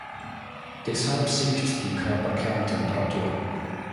Deshalb sinkt die Körperkerntemperatur.